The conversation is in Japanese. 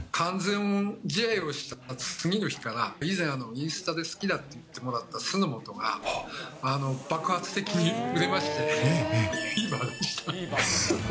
地元出身の佐々木朗希君が完全試合をした次の日から、以前、インスタで好きだって言ってもらった酢の素が爆発的に売れまして、フィーバーでした。